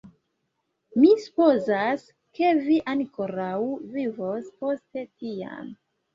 Mi supozas, ke vi ankoraŭ vivos post tiam.